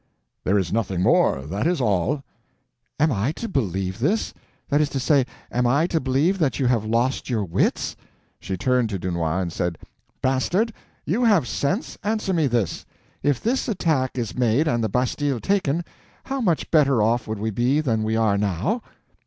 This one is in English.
"There is nothing more. That is all." "Am I to believe this? That is to say, am I to believe that you have lost your wits?" She turned to Dunois, and said, "Bastard, you have sense, answer me this: if this attack is made and the bastille taken, how much better off would we be than we are now?"